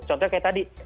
contohnya kayak tadi